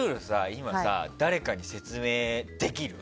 今、誰かに説明できる？